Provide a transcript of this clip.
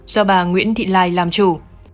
do bà nguyễn thị lai làm chủ